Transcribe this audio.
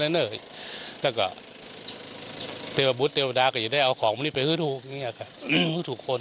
แล้วก็เตรียมบุษได้เอาของมันไปฮึดหูกฮึดถูกคน